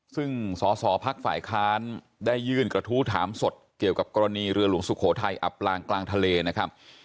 ซึ่งสอสอพักฝ่ายค้านได้ยื่นกระทู้ถามสดเกี่ยวกับกรณีเรือหลวงสุโขทัยอับปลางกลางทะเลนะครับ